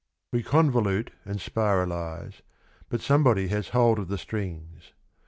We convolute and spiralize, but some body has hold of the strings. .